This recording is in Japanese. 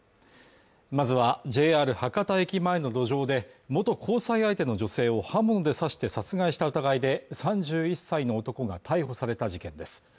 まずはＪＲ博多駅前の路上で元交際相手の女性を刃物で刺して殺害した疑いで３１歳の男が逮捕された事件です